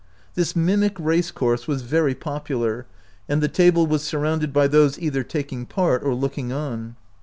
This mimic race course was very popular, and the table was surrounded by those either taking part or looking on.